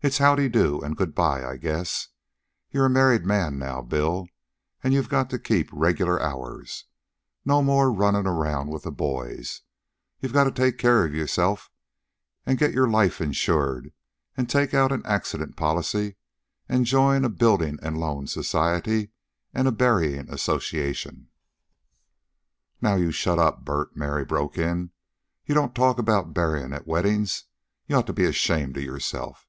It's how de do an' good bye, I guess. You're a married man now, Bill, an' you got to keep regular hours. No more runnin' around with the boys. You gotta take care of yourself, an' get your life insured, an' take out an accident policy, an' join a buildin' an' loan society, an' a buryin' association " "Now you shut up, Bert," Mary broke in. "You don't talk about buryin's at weddings. You oughta be ashamed of yourself."